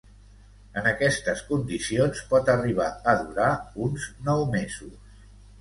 En aquestes condicions, pot arribar a durar uns nou mesos.